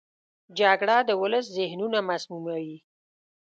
جګړه د ولس ذهنونه مسموموي